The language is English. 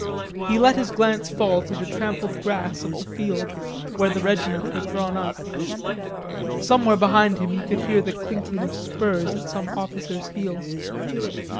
He let his glance fall to the trampled grass of the field where the regiment was drawn up. Somewhere behind him he could hear the clinking of spurs at some officer's heels.